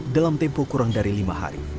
dalam tempo kurang dari lima hari